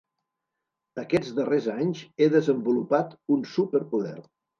Aquests darrers anys he desenvolupat un súperpoder.